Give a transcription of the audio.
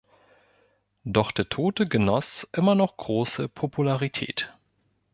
Doch der Tote genoss immer noch große Popularität.